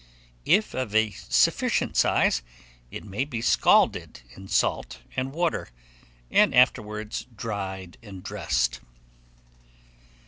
If of a sufficient size, it may be scalded in salt and water, and afterwards dried and dressed.